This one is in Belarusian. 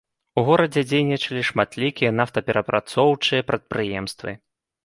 У горадзе дзейнічалі шматлікія нафтаперапрацоўчыя прадпрыемствы.